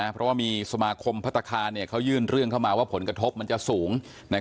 เพราะว่ามีสมาคมพัฒนาคารเขายื่นเรื่องเข้ามาว่าผลกระทบมันจะสูง